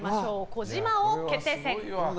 児嶋王決定戦。